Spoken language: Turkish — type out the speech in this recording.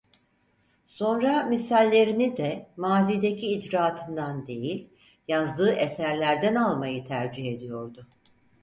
Sonra misallerini de mazideki icraatından değil, yazdığı eserlerden almayı tercih ediyordu.